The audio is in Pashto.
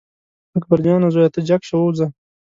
اکبر جانه زویه ته جګ شه ووځه.